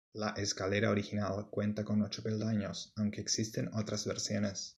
La escalera original cuenta con ocho peldaños, aunque existen otras versiones.